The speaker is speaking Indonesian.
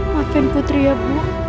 maafin putri ya bu